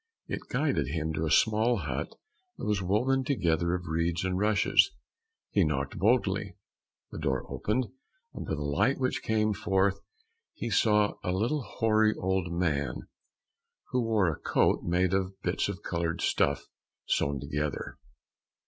It guided him to a small hut that was woven together of reeds and rushes. He knocked boldly, the door opened, and by the light which came forth he saw a little hoary old man who wore a coat made of bits of colored stuff sewn together.